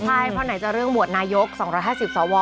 ใช่เพราะไหนจะเรื่องโหวตนายก๒๕๐สว